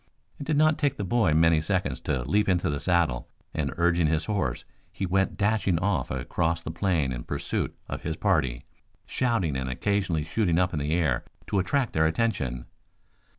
It did not take the boy many seconds to leap into the saddle, and urging his horse he went dashing off across the plain in pursuit of his party, shouting and occasionally shooting up into the air to attract their attention.